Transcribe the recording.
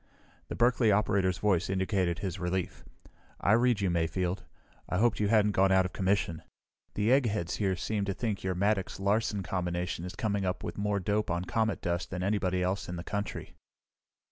The Berkeley operator's voice indicated his relief. "I read you, Mayfield. I hoped you hadn't gone out of commission. The eggheads here seem to think your Maddox Larsen combination is coming up with more dope on comet dust than anybody else in the country."